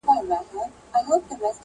زما د شعر له ښاپېرۍ مننه